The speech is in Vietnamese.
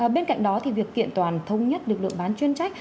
bên cạnh đó việc kiện toàn thống nhất lực lượng bán chuyên trách